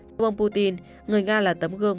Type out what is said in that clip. theo ông putin người nga là tấm gương